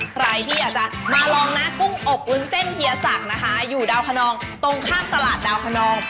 ใครที่อยากจะมาลองนะกุ้งอบวุ้นเส้นเฮียศักดิ์นะคะอยู่ดาวคนนองตรงข้ามตลาดดาวคนนอง